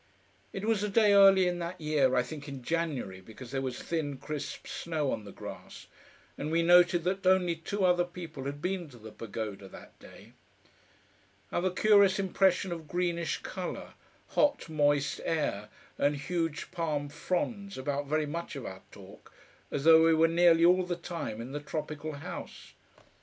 It was a day early in that year I think in January, because there was thin, crisp snow on the grass, and we noted that only two other people had been to the Pagoda that day. I've a curious impression of greenish colour, hot, moist air and huge palm fronds about very much of our talk, as though we were nearly all the time in the Tropical House.